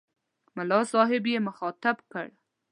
ملا صاحب یې مخاطب کړ.